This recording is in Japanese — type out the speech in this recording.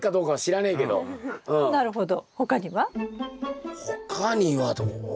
なるほど。